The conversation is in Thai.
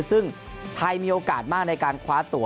ซึ่งไทยมีโอกาสมากในการคว้าตัว